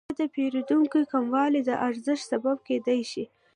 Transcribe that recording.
یا د پیرودونکو کموالی د ارزانښت سبب کیدای شي؟